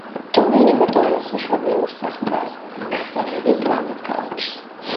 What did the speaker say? დომენიკო ტოვებს მშობლიურ სახლ-კარს, მამას და მიდის „ლამაზ ქალაქში“.